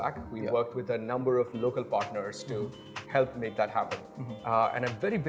kami bekerja dengan beberapa partner lokal untuk membantu membuat itu terjadi